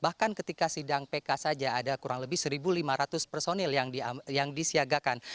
bahkan ketika sidang pk saja ada kurang lebih satu lima ratus personil yang disiagakan